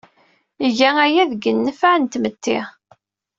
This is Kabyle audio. Iga aya deg nnfeɛ n tmetti.